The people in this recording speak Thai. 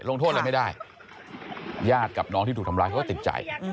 ลงโทษอะไรไม่ได้ญาติกับน้องที่ถูกทำร้ายเขาก็ติดใจ